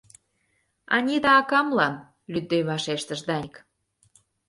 — Анита акамлан, — лӱдде вашештыш Даник.